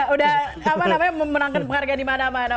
udah menangkan penghargaan dimana mana